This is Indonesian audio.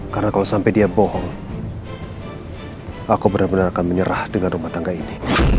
karena kalau sampai dia bohong aku benar benar akan menyerah dengan rumah tangga ini